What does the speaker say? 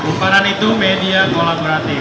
bumparan itu media kolaboratif